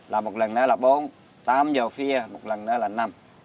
là một lần nữa là bốn h tám h phia một lần nữa là năm h